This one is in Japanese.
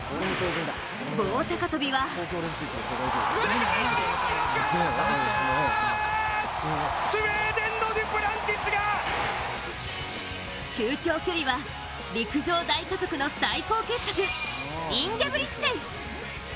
棒高跳は中長距離は陸上大家族の最高傑作、インゲブリクセン。